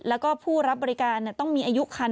แล้วก็ผู้รับบริการต้องมีอายุคัน